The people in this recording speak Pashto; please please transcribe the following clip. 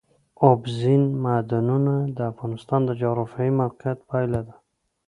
اوبزین معدنونه د افغانستان د جغرافیایي موقیعت پایله ده.